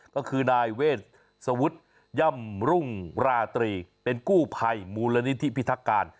ก็คือนายเวชสวุฒิย่ำรุ่งราตรีเป็นกู้ภัยมูลนิธิพิทักการ